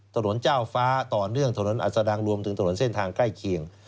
ถนนเจ้าฟ้าต่อเนื่องถนนอัศดังรวมถึงถนนเส้นทางใกล้เคียง